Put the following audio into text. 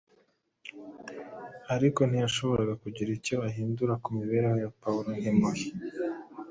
ariko ntiyashoboraga kugira icyo ahindura ku mibereho ya Pawulo nk’imbohe